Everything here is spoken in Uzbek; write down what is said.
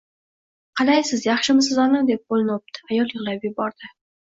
Qalaysiz, yaxshimisiz, ona? — deb qo'lini o'pdi. Ayol yig'lab yubordi.